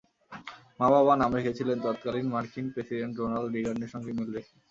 মা-বাবা নাম রেখেছিলেন তত্কালীন মার্কিন প্রেসিডেন্ট রোনাল্ড রিগানের সঙ্গে মিল রেখে।